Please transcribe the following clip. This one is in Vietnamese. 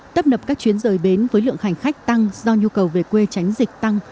tấp nập các chuyến rời bến với lượng hành khách tăng do nhu cầu về quê tránh dịch tăng